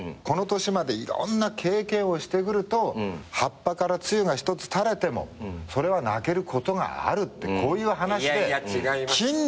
この年までいろんな経験をしてくると葉っぱから露が一つ垂れてもそれは泣けることがあるってこういう話で。